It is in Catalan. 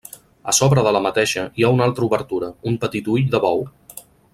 A sobre de la mateixa hi ha una altra obertura, un petit ull de bou.